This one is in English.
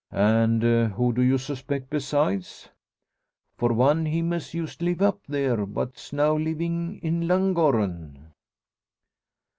"And who do you suspect besides?" "For one, him as used live up there, but's now livin' in Llangorren."